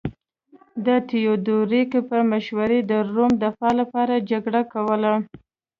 د تیودوریک په مشرۍ د روم دفاع لپاره جګړه کوله